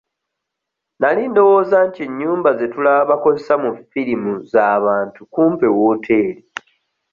Nali ndowooza nti ennyumba ze tulaba bakozesa mu firimu za bantu kumbe wooteri.